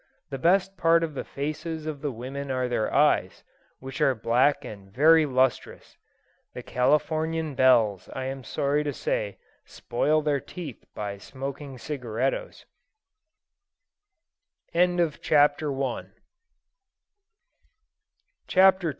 The best part in the faces of the women are their eyes, which are black and very lustrous. The Californian belles, I am sorry to say, spoil their teeth by smoking cigarettos. CHAPTER II.